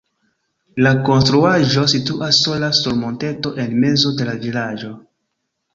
La konstruaĵo situas sola sur monteto en mezo de la vilaĝo.